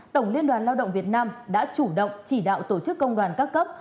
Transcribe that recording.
tổng liên đoàn lao động việt nam đã chủ động chỉ đạo tổ chức công đoàn các cấp